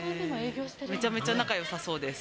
めちゃめちゃ那珂よさそうです。